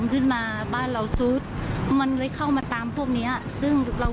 ก็คือพี่ให้แฝดเค้ากลับมาเท่าที่ได้